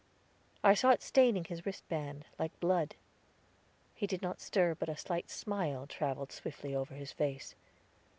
I saw it staining his wristband, like blood. He did not stir, but a slight smile traveled swiftly over his face.